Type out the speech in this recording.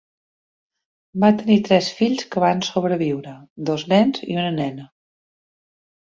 Van tenir tres fills que van sobreviure: dos nens i una nena.